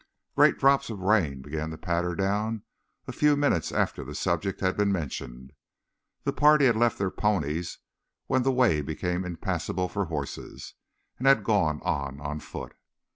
Great drops of rain began to patter down a few minutes after the subject had been mentioned. The party had left their ponies when the way became impassable for horses, and had gone on on foot.